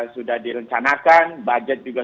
sudah direncanakan budget juga